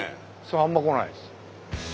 あんま来ないです。